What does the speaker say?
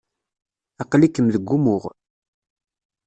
Aqli-kem deg umuɣ.